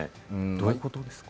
どういうことですか？